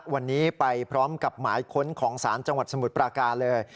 วันนี้ไปพร้อมกับหมายค้นของศาลจังหวัดสมุทรปราการเลย